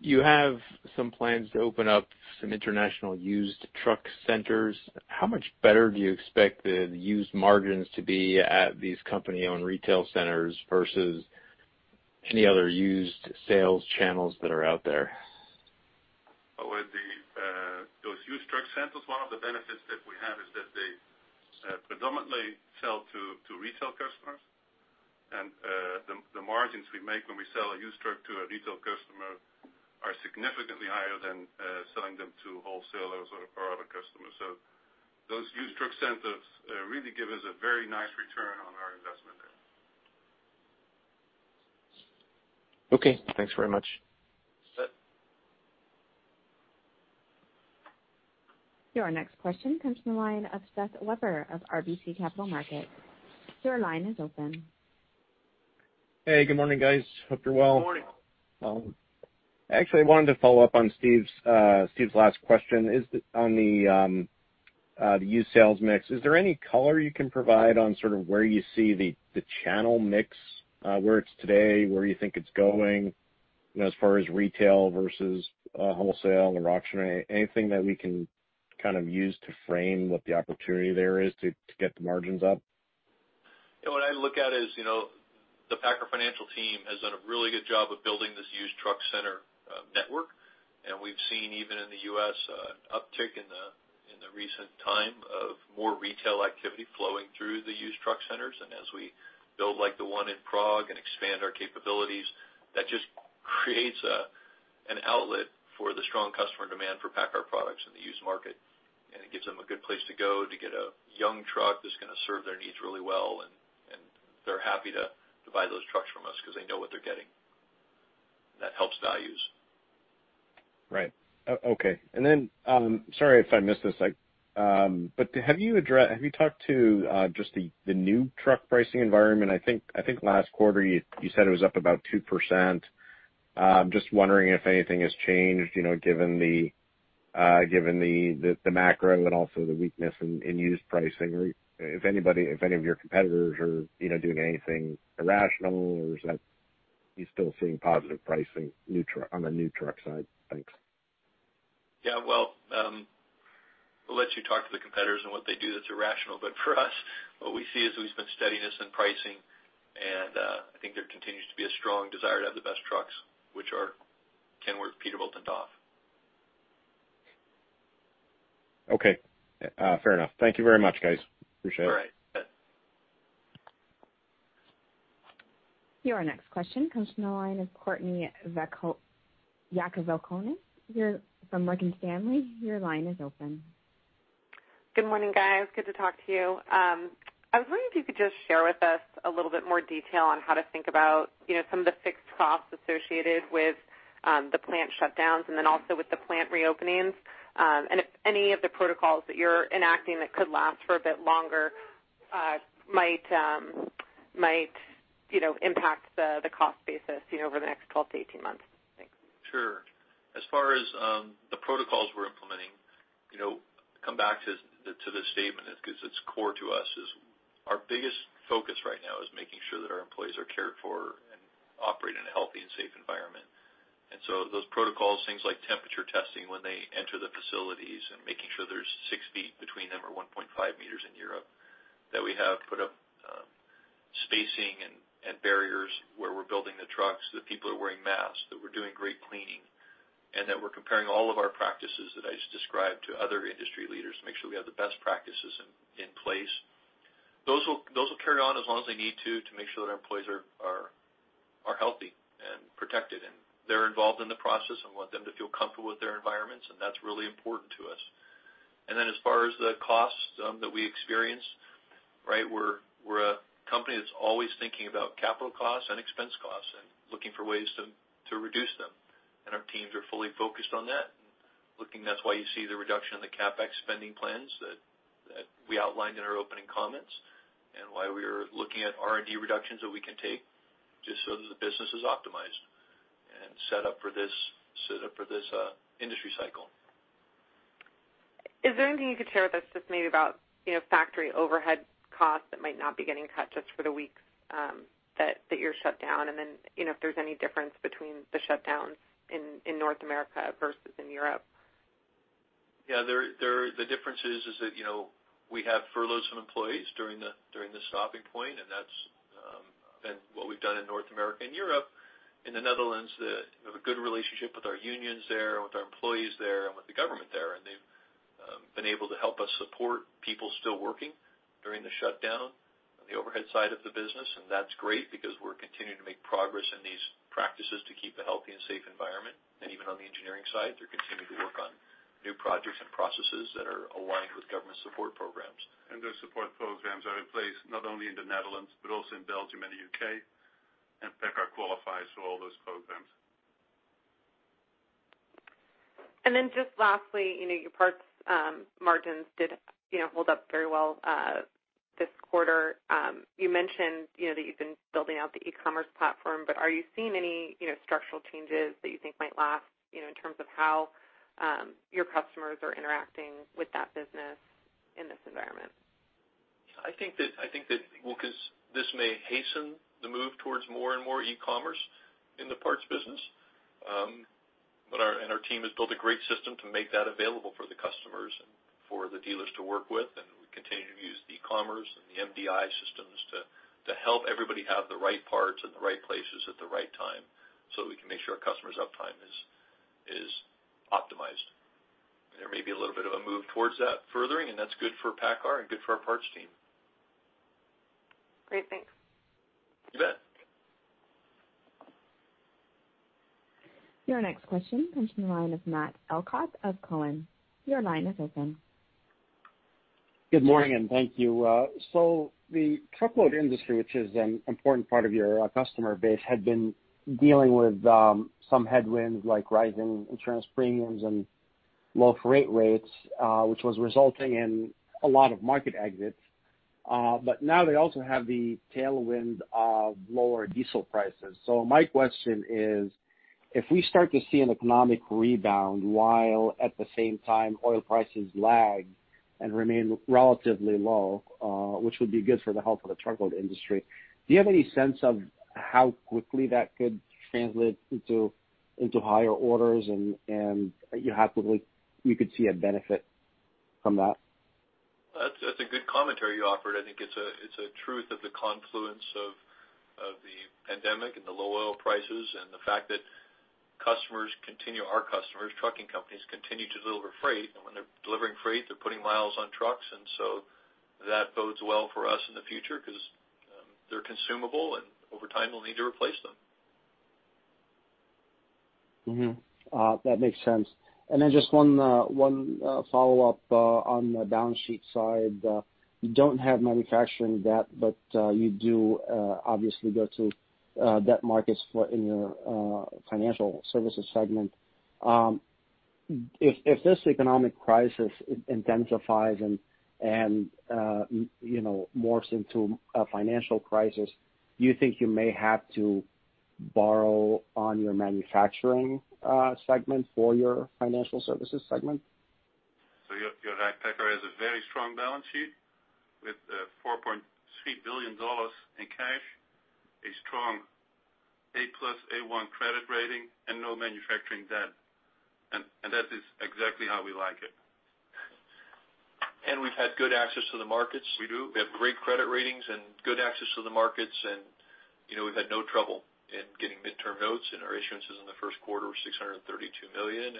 you have some plans to open up some international used truck centers. How much better do you expect the used margins to be at these company-owned retail centers versus any other used sales channels that are out there? Those used truck centers, one of the benefits that we have is that they predominantly sell to retail customers. The margins we make when we sell a used truck to a retail customer are significantly higher than selling them to wholesalers or other customers. Those used truck centers really give us a very nice return on our investment there. Okay. Thanks very much. Your next question comes from the line of Seth Weber of RBC Capital Markets. Your line is open. Hey. Good morning, guys. Hope you're well. Good morning. Actually, I wanted to follow up on Steve's last question on the used sales mix. Is there any color you can provide on sort of where you see the channel mix, where it's today, where you think it's going as far as retail versus wholesale or auction? Anything that we can kind of use to frame what the opportunity there is to get the margins up? Yeah. What I look at is the PACCAR Financial team has done a really good job of building this used truck center network, and we've seen, even in the U.S., an uptick in the recent time of more retail activity flowing through the used truck centers, and as we build like the one in Prague and expand our capabilities, that just creates an outlet for the strong customer demand for PACCAR products in the used market, and it gives them a good place to go to get a young truck that's going to serve their needs really well, and they're happy to buy those trucks from us because they know what they're getting, and that helps values. Right. Okay, and then sorry if I missed this, but have you talked to just the new truck pricing environment? I think last quarter, you said it was up about 2%. Just wondering if anything has changed given the macro and also the weakness in used pricing. If any of your competitors are doing anything irrational, or is that you're still seeing positive pricing on the new truck side? Thanks. Yeah, well, we'll let you talk to the competitors and what they do that's irrational, but for us, what we see is we've seen steadiness in pricing, and I think there continues to be a strong desire to have the best trucks, which Kenworth, Peterbilt and DAF. Okay. Fair enough. Thank you very much, guys. Appreciate it. All right. Your next question comes from the line of Courtney Yakavonis. You're from Morgan Stanley. Your line is open. Good morning, guys. Good to talk to you. I was wondering if you could just share with us a little bit more detail on how to think about some of the fixed costs associated with the plant shutdowns and then also with the plant reopenings and any of the protocols that you're enacting that could last for a bit longer might impact the cost basis over the next 12-18 months. Thanks. Sure. As far as the protocols we're implementing, come back to the statement because it's core to us. Our biggest focus right now is making sure that our employees are cared for and operate in a healthy and safe environment, and so those protocols, things like temperature testing when they enter the facilities and making sure there's six feet between them or 1.5 meters in Europe, that we have put up spacing and barriers where we're building the trucks, that people are wearing masks, that we're doing great cleaning, and that we're comparing all of our practices that I just described to other industry leaders to make sure we have the best practices in place. Those will carry on as long as they need to to make sure that our employees are healthy and protected, and they're involved in the process and want them to feel comfortable with their environments. And that's really important to us. And then as far as the costs that we experience, right, we're a company that's always thinking about capital costs and expense costs and looking for ways to reduce them. And our teams are fully focused on that. And that's why you see the reduction in the CapEx spending plans that we outlined in our opening comments and why we are looking at R&D reductions that we can take just so that the business is optimized and set up for this industry cycle. Is there anything you could share with us just maybe about factory overhead costs that might not be getting cut just for the weeks that you're shut down? And then if there's any difference between the shutdowns in North America versus in Europe? Yeah. The difference is that we have furloughed some employees during the stopping point. And that's been what we've done in North America and Europe. In the Netherlands, we have a good relationship with our unions there and with our employees there and with the government there. And they've been able to help us support people still working during the shutdown on the overhead side of the business. And that's great because we're continuing to make progress in these practices to keep a healthy and safe environment. And even on the engineering side, they're continuing to work on new projects and processes that are aligned with government support programs. Those support programs are in place not only in the Netherlands but also in Belgium and the U.K. PACCAR qualifies for all those programs. And then just lastly, your parts margins did hold up very well this quarter. You mentioned that you've been building out the e-commerce platform, but are you seeing any structural changes that you think might last in terms of how your customers are interacting with that business in this environment? Yeah. I think that because this may hasten the move towards more and more e-commerce in the parts business, and our team has built a great system to make that available for the customers and for the dealers to work with, and we continue to use the e-commerce and the MDI systems to help everybody have the right parts in the right places at the right time so that we can make sure our customers' uptime is optimized, and there may be a little bit of a move towards that furthering, and that's good for PACCAR and good for our parts team. Great. Thanks. You bet. Your next question comes from the line of Matt Elkott of Cowen. Your line is open. Good morning, and thank you. So the truckload industry, which is an important part of your customer base, had been dealing with some headwinds like rising insurance premiums and low freight rates, which was resulting in a lot of market exits. But now they also have the tailwind of lower diesel prices. So my question is, if we start to see an economic rebound while, at the same time, oil prices lag and remain relatively low, which would be good for the health of the truckload industry, do you have any sense of how quickly that could translate into higher orders and you could see a benefit from that? That's a good commentary you offered. I think it's a truth of the confluence of the pandemic and the low oil prices and the fact that customers continue, our customers, trucking companies, continue to deliver freight, and when they're delivering freight, they're putting miles on trucks, and so that bodes well for us in the future because they're consumable, and over time, we'll need to replace them. That makes sense. And then just one follow-up on the balance sheet side. You don't have manufacturing debt, but you do obviously go to debt markets in your financial services segment. If this economic crisis intensifies and morphs into a financial crisis, do you think you may have to borrow on your manufacturing segment for your financial services segment? PACCAR has a very strong balance sheet with $4.3 billion in cash, a strong A+/A1 credit rating, and no manufacturing debt. That is exactly how we like it. We've had good access to the markets. We do. We have great credit ratings and good access to the markets. We've had no trouble in getting medium term notes. Our issuances in the first quarter were $632 million.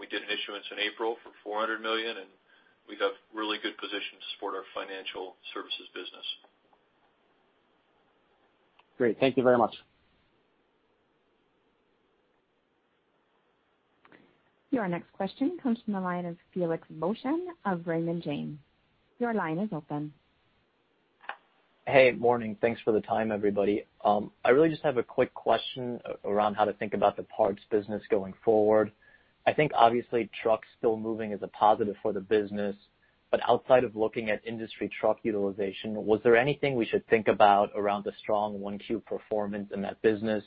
We did an issuance in April for $400 million. We have really good positions to support our financial services business. Great. Thank you very much. Your next question comes from the line of Felix Boeschen of Raymond James. Your line is open. Hey. Morning. Thanks for the time, everybody. I really just have a quick question around how to think about the parts business going forward. I think, obviously, trucks still moving is a positive for the business. But outside of looking at industry truck utilization, was there anything we should think about around the strong 1Q performance in that business,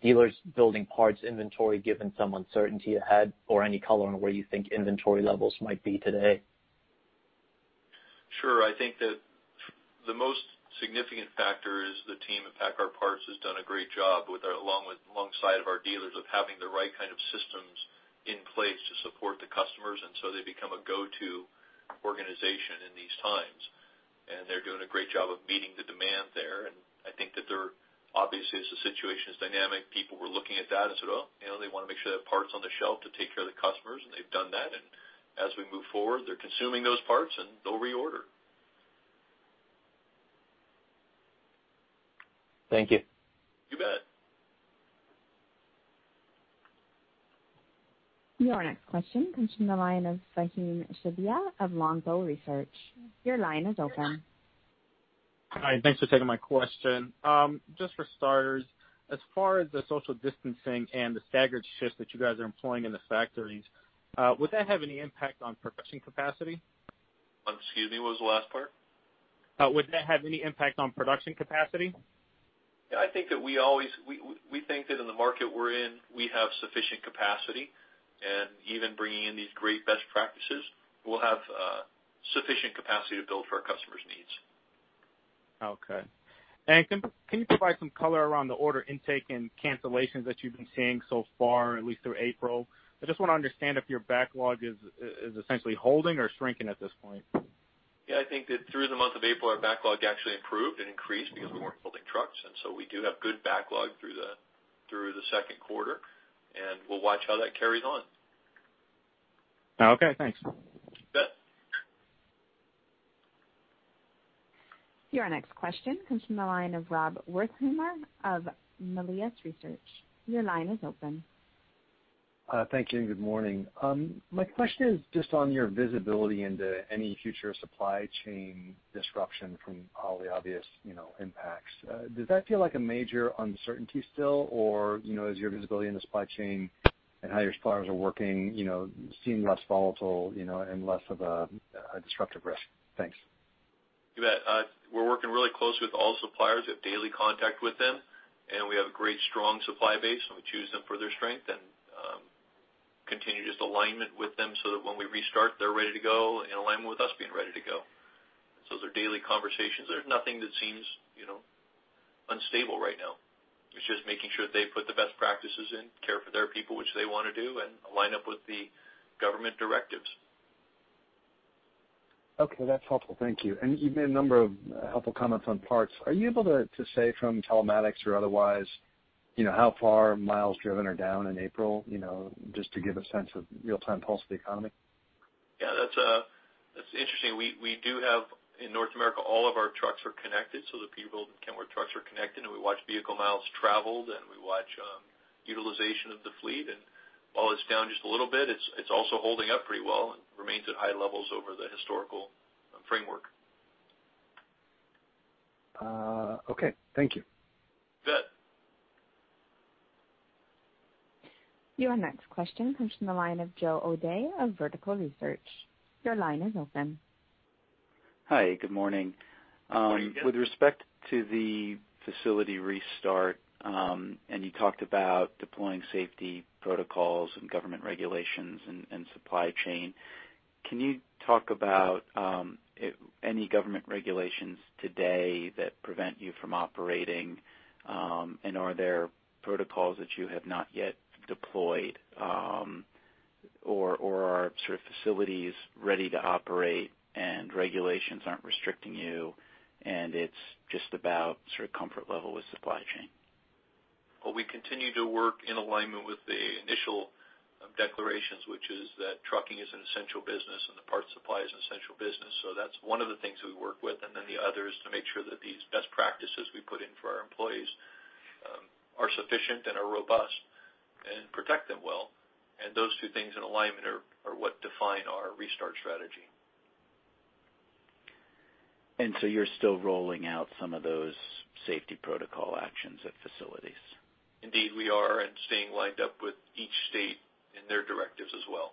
dealers building parts inventory given some uncertainty ahead, or any color on where you think inventory levels might be today? Sure. I think that the most significant factor is the team at PACCAR Parts has done a great job alongside of our dealers of having the right kind of systems in place to support the customers. And so they become a go-to organization in these times. And they're doing a great job of meeting the demand there. And I think that obviously, as the situation is dynamic, people were looking at that and said, "Oh, they want to make sure they have parts on the shelf to take care of the customers." And they've done that. And as we move forward, they're consuming those parts, and they'll reorder. Thank you. You bet. Your next question comes from the line of Faheem Sabeiha of Longbow Research. Your line is open. Hi. Thanks for taking my question. Just for starters, as far as the social distancing and the staggered shifts that you guys are employing in the factories, would that have any impact on production capacity? Excuse me? What was the last part? Would that have any impact on production capacity? Yeah. I think that we always think that in the market we're in, we have sufficient capacity. And even bringing in these great best practices, we'll have sufficient capacity to build for our customers' needs. Okay, and can you provide some color around the order intake and cancellations that you've been seeing so far, at least through April? I just want to understand if your backlog is essentially holding or shrinking at this point. Yeah. I think that through the month of April, our backlog actually improved and increased because we weren't building trucks. And so we do have good backlog through the second quarter. And we'll watch how that carries on. Okay. Thanks. You bet. Your next question comes from the line of Rob Wertheimer of Melius Research. Your line is open. Thank you. And good morning. My question is just on your visibility into any future supply chain disruption from all the obvious impacts. Does that feel like a major uncertainty still, or is your visibility in the supply chain and how your suppliers are working seem less volatile and less of a disruptive risk? Thanks. You bet. We're working really closely with all suppliers. We have daily contact with them. And we have a great, strong supply base. And we choose them for their strength and continue just alignment with them so that when we restart, they're ready to go in alignment with us being ready to go. So those are daily conversations. There's nothing that seems unstable right now. It's just making sure that they put the best practices in, care for their people, which they want to do, and align up with the government directives. Okay. That's helpful. Thank you. And you've made a number of helpful comments on parts. Are you able to say from telematics or otherwise how far miles driven are down in April just to give a sense of real-time pulse of the economy? Yeah. That's interesting. In North America, all of our trucks are connected. So the Peterbilt and Kenworth trucks are connected. And we watch vehicle miles traveled. And we watch utilization of the fleet. And while it's down just a little bit, it's also holding up pretty well and remains at high levels over the historical framework. Okay. Thank you. You bet. Your next question comes from the line of Joe O'Dea of Vertical Research. Your line is open. Hi. Good morning. Good morning. With respect to the facility restart, and you talked about deploying safety protocols and government regulations and supply chain, can you talk about any government regulations today that prevent you from operating? And are there protocols that you have not yet deployed or are sort of facilities ready to operate and regulations aren't restricting you? And it's just about sort of comfort level with supply chain? Well, we continue to work in alignment with the initial declarations, which is that trucking is an essential business and the parts supply is an essential business. So that's one of the things that we work with. And then the other is to make sure that these best practices we put in for our employees are sufficient and are robust and protect them well. And those two things in alignment are what define our restart strategy. And so you're still rolling out some of those safety protocol actions at facilities? Indeed, we are, and staying aligned with each state and their directives as well.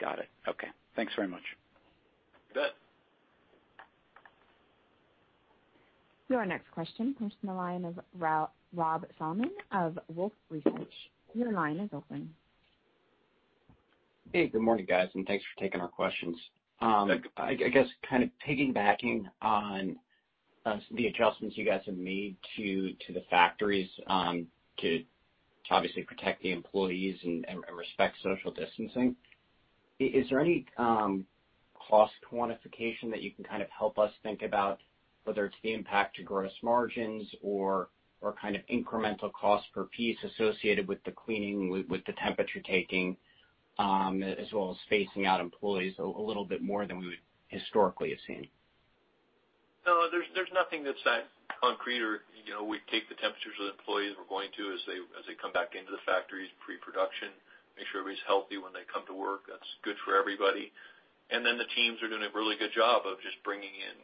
Got it. Okay. Thanks very much. You bet. Your next question comes from the line of Rob Salmon of Wolfe Research. Your line is open. Hey. Good morning, guys. And thanks for taking our questions. I guess kind of piggybacking on the adjustments you guys have made to the factories to obviously protect the employees and respect social distancing, is there any cost quantification that you can kind of help us think about, whether it's the impact to gross margins or kind of incremental cost per piece associated with the cleaning, with the temperature taking, as well as phasing out employees a little bit more than we would historically have seen? No. There's nothing that's that concrete, or we take the temperatures of the employees we're going to as they come back into the factories pre-production, make sure everybody's healthy when they come to work. That's good for everybody, and then the teams are doing a really good job of just bringing in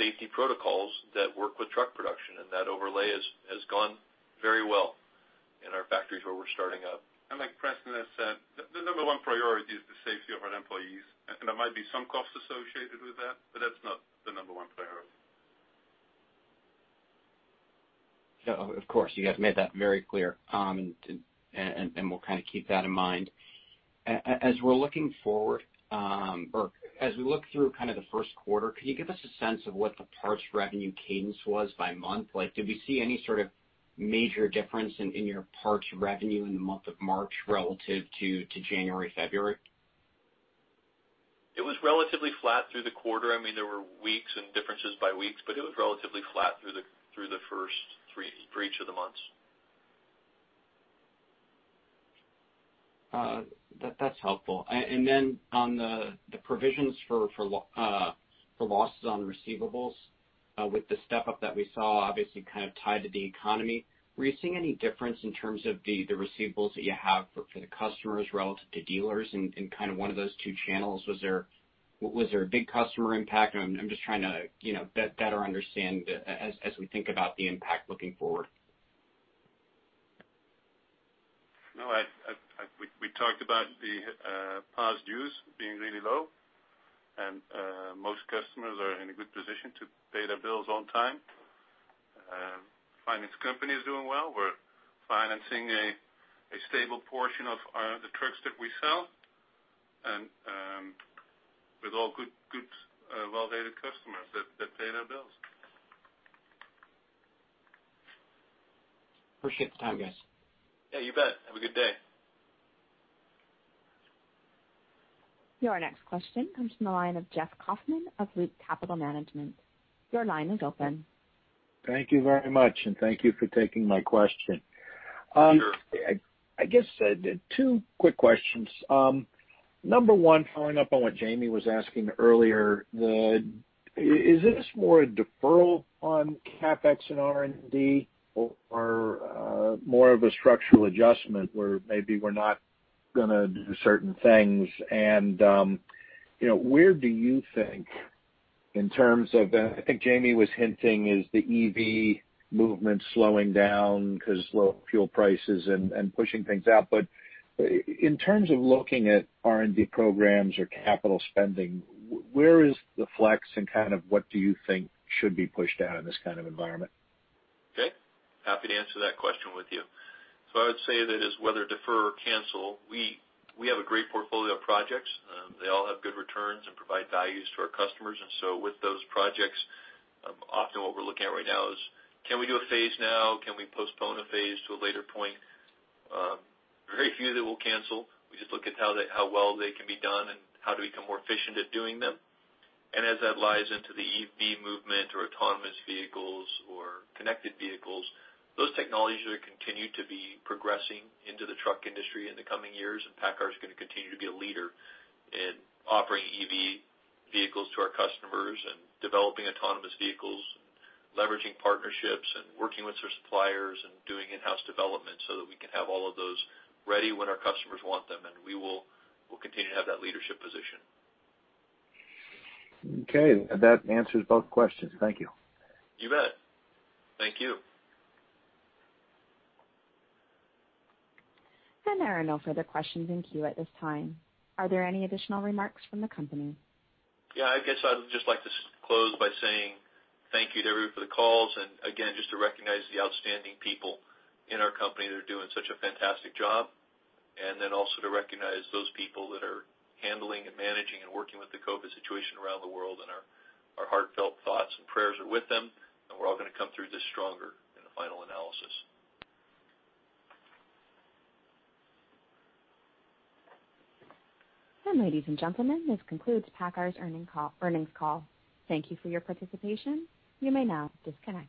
safety protocols that work with truck production, and that overlay has gone very well in our factories where we're starting up. And like Preston has said, the number one priority is the safety of our employees. And there might be some costs associated with that, but that's not the number one priority. Yeah. Of course. You guys made that very clear. And we'll kind of keep that in mind. As we're looking forward or as we look through kind of the first quarter, can you give us a sense of what the parts revenue cadence was by month? Did we see any sort of major difference in your parts revenue in the month of March relative to January/February? It was relatively flat through the quarter. I mean, there were weeks and differences by weeks, but it was relatively flat through the first three for each of the months. That's helpful. And then on the provisions for losses on receivables with the step-up that we saw, obviously kind of tied to the economy, were you seeing any difference in terms of the receivables that you have for the customers relative to dealers in kind of one of those two channels? Was there a big customer impact? I'm just trying to better understand as we think about the impact looking forward. No. We talked about the past dues being really low, and most customers are in a good position to pay their bills on time. Finance company is doing well. We're financing a stable portion of the trucks that we sell, and with all good, well-rated customers that pay their bills. Appreciate the time, guys. Yeah. You bet. Have a good day. Your next question comes from the line of Jeff Kauffman of Loop Capital Markets. Your line is open. Thank you very much, and thank you for taking my question. Sure. I guess two quick questions. Number one, following up on what Jamie was asking earlier, is this more a deferral on CapEx and R&D or more of a structural adjustment where maybe we're not going to do certain things? And where do you think in terms of, and I think Jamie was hinting, is the EV movement slowing down because low fuel prices and pushing things out? But in terms of looking at R&D programs or capital spending, where is the flex and kind of what do you think should be pushed out in this kind of environment? Okay. Happy to answer that question with you. So I would say that it's whether defer or cancel. We have a great portfolio of projects. They all have good returns and provide values to our customers. And so with those projects, often what we're looking at right now is, can we do a phase now? Can we postpone a phase to a later point? Very few that will cancel. We just look at how well they can be done and how to become more efficient at doing them. And as that ties into the EV movement or autonomous vehicles or connected vehicles, those technologies are going to continue to be progressing into the truck industry in the coming years. PACCAR is going to continue to be a leader in offering EV vehicles to our customers and developing autonomous vehicles and leveraging partnerships and working with our suppliers and doing in-house development so that we can have all of those ready when our customers want them. We will continue to have that leadership position. Okay. That answers both questions. Thank you. You bet. Thank you. There are no further questions in queue at this time. Are there any additional remarks from the company? Yeah. I guess I'd just like to close by saying thank you to everyone for the calls. And again, just to recognize the outstanding people in our company that are doing such a fantastic job. And then also to recognize those people that are handling and managing and working with the COVID situation around the world. And our heartfelt thoughts and prayers are with them. And we're all going to come through this stronger in the final analysis. Ladies and gentlemen, this concludes PACCAR's earnings call. Thank you for your participation. You may now disconnect.